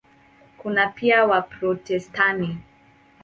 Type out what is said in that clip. Kuna pia Waprotestanti.